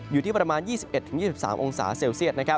อยู่ที่ประมาณ๒๑๒๓องศาเซลเซียต